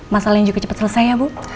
masalah yang juga cepat selesai ya bu